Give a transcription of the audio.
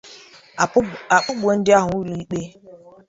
a kpụpụ ndị ahụ ụlọ ikpe.